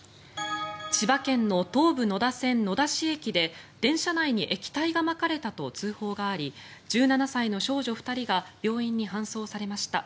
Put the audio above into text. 千葉県の東武野田線野田市駅で電車内に液体がまかれたと通報があり１７歳の少女２人が病院に搬送されました。